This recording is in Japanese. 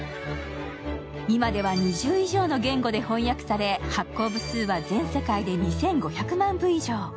今では２０以上の言語で翻訳され発行部数は全世界で２５００万部以上。